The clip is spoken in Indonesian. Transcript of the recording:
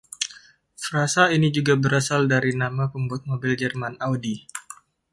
Frasa ini juga berasal dari nama pembuat mobil Jerman Audi.